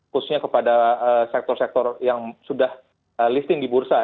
khususnya kepada sektor sektor yang sudah listing di bursa